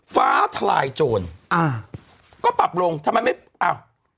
ฟ้าทลายโจรอ่าก็ปรับลงทำไมไม่อ้าว